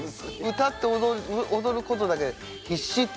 歌って踊ることだけで必死っていう。